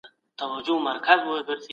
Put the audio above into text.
ایا محلي حاکمانو د مغولو کړني ګټوري وبللي؟